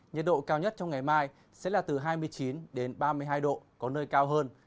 nhiệt độ cao nhất trong ngày mai sẽ là từ hai mươi chín đến ba mươi hai độ có nơi cao hơn